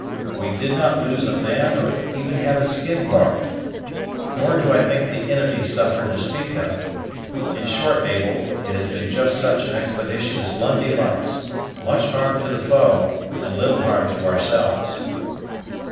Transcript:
We did not lose a man or have even a skin barked; nor do I think the inimy suffered to speak of. In short, Mabel, it has been just such an expedition as Lundie likes; much harm to the foe, and little harm to ourselves."